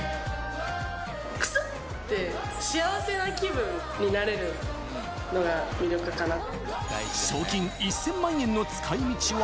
くすって幸せな気分になれる賞金１０００万円の使いみち